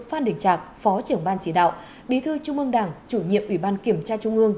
phan đình trạc phó trưởng ban chỉ đạo bí thư trung ương đảng chủ nhiệm ủy ban kiểm tra trung ương